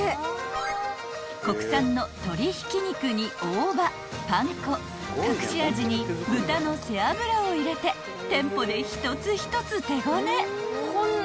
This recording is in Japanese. ［国産の鶏ひき肉に大葉パン粉隠し味に豚の背脂を入れて店舗で一つ一つ手ごね］